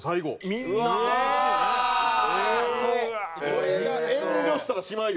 これが遠慮したらしまいよ。